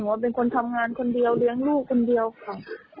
ว่าเป็นคนทำงานคนเดียวเลี้ยงลูกคนเดียวค่ะ